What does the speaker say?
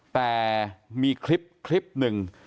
แต่มีคลิปหนึ่ง